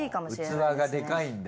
器がでかいんだ。